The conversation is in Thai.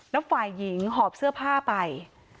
แล้วฝ่ายหญิงหอบเสื้อผ้าไป